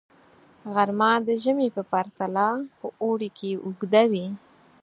غرمه د ژمي په پرتله په اوړي کې اوږده وي